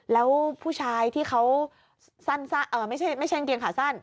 แล้วผู้ชายที่เขาสั้นไม่ใช่กางเกงขาสั้น